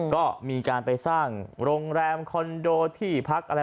ก็มีการไปสร้างโรงแรมคอนโดที่พักอะไร